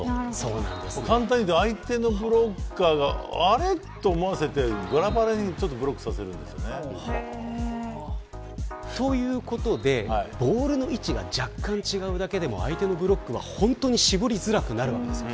簡単に言うと相手のブロッカーにあれっと思わせて、裏側にブロックさせるんですよね。ということで、ボールの位置が若干違うだけでも相手のブロックは本当に絞りづらくなるんです。